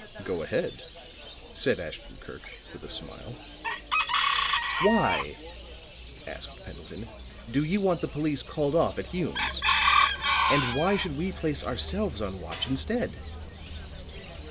"Go ahead," said Ashton Kirk with a smile. "Why," asked Pendleton, "do you want the police called off at Hume's? and why should we place ourselves on watch instead?"